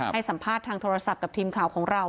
ให้สัมภาษณ์ทางโทรศัพท์กับทีมข่าวของเรา